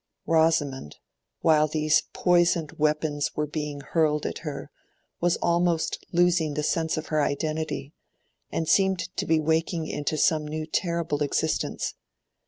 Rosamond, while these poisoned weapons were being hurled at her, was almost losing the sense of her identity, and seemed to be waking into some new terrible existence.